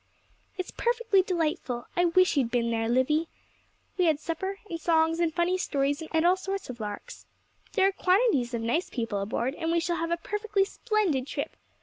'It's perfectly delightful! I wish you'd been there, Livy. We had supper, and songs, and funny stories, and all sorts of larks. There are quantities of nice people aboard, and we shall have a perfectly splendid trip.